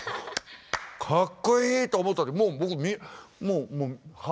かっこいいと思った時もう僕もうハート。